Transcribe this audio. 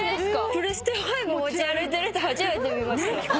プレステ５持ち歩いてる人初めて見ました。